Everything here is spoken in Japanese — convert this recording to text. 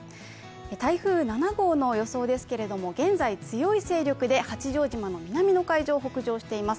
台風７号の予想ですけれども、現在、強い勢力で八丈島の南の海上を北上しています。